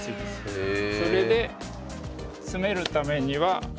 それで詰めるためには。